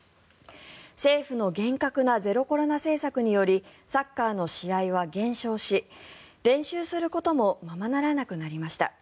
政府の厳格なゼロコロナ政策によりサッカーの試合は減少し練習することもままならなくなりました。